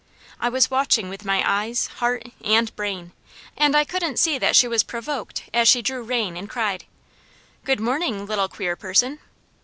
I was watching with my eyes, heart, and brain, and I couldn't see that she was provoked, as she drew rein and cried: "Good morning, Little Queer Person!"